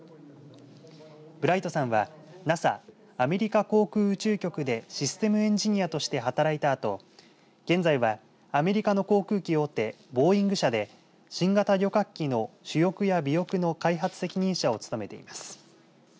ブライトさんは、ＮＡＳＡアメリカ航空宇宙局でシステムエンジニアとして働いたあと現在は、アメリカの航空機大手ボーイング社で新型旅客機の主翼や尾翼の開発責任者を務めています。